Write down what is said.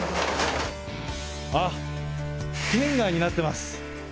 あっ、圏外になってます。